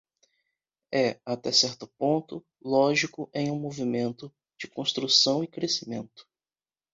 É, até certo ponto, lógico em um movimento de construção e crescimento.